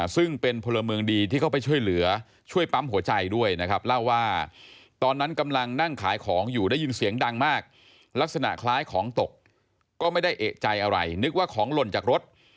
ซึ่งเป็นผลเมืองดีที่เข้าไปช่วยเหลือช่วยปั๊มหัวใจด้วยนะครับ